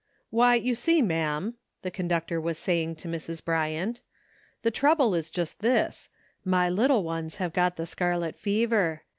THTTHY, you see, ma'am," the conductor was '^ saying to Mrs. Bryant, "tlie trouble is just this : my little ones have got the scarlet fever.